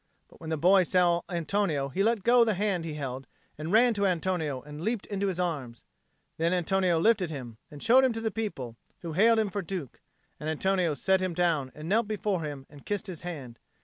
But when the boy saw Antonio he let go the hand he held and ran to Antonio and leapt into his arms. Then Antonio lifted him and showed him to the people, who hailed him for Duke; and Antonio set him down and knelt before him and kissed his hand.